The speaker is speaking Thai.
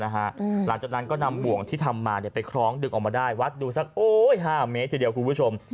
หลังจากนั้นก็นำบ่วงที่ทำมาไปคล้องดึงออกมาได้วัดดูสัก๕เมตรทีเดียวคุณผู้ชม